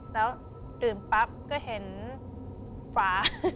แล้วตื่นปั๊บก็เห็นฝา